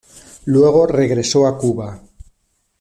Luego regresó a Cuba.